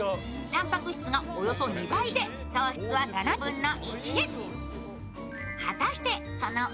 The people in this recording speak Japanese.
たんぱく質がおよそ２倍で糖質はおよそ７分の１。